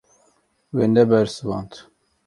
We nebersivand.